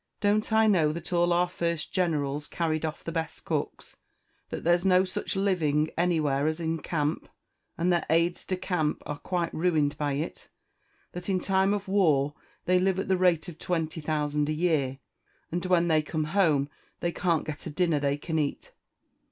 Don't I know that all our first generals carry off the best cooks that there's no such living anywhere as in camp that their aides de camp are quite ruined by it that in time of war they live at the rate of twenty thousand a year, and when they come home they can't get a dinner they can eat?